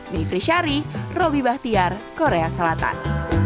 mie frisary robby bahtiar korea selatan